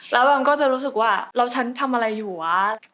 แล้วแบมก็จะรู้สึกว่าแล้วฉันทำอะไรอยู่วะ